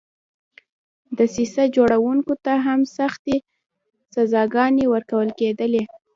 دسیسه جوړوونکو ته هم سختې سزاګانې ورکول کېدلې.